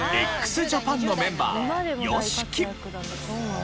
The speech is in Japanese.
ＸＪＡＰＡＮのメンバーＹＯＳＨＩＫＩ。